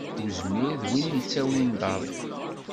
Uzmir d win yittawin ddeṛk.